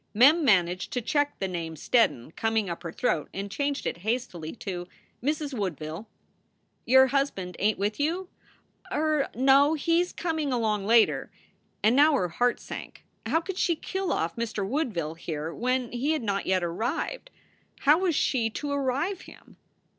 Mem managed to check the name "Steddon" coming up her throat and changed it hastily to "Mrs. Woodville." "Your husband ain t with you?" "Er, no. He he s coming along later." And now her heart sank. How could she kill off Mr. Woodville here when he had not yet arrived? How was she to arrive him?